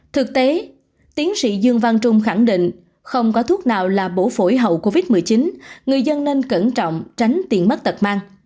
thực tế tiến sĩ dương văn trung khẳng định không có thuốc nào là bổ phổi hậu covid một mươi chín người dân nên cẩn trọng tránh tiền mất tật mang